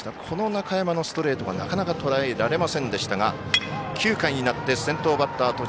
この中山のストレートがなかなかとらえられませんでしたが９回、先頭バッター